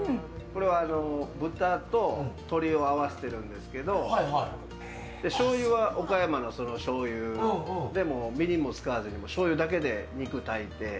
豚と鶏を合わせてるんですけどしょうゆは岡山のしょうゆでみりんも使わずにしょうゆだけで肉を炊いて。